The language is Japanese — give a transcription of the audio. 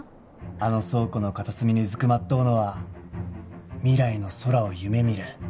あの倉庫の片隅にうずくまっとうのは未来の空を夢みる翼とよ。